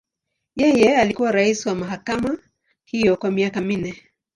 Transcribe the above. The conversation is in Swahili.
Yeye alikuwa rais wa mahakama hiyo kwa miaka minne.